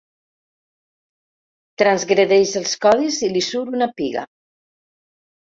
Transgredeix els codis i li surt una piga.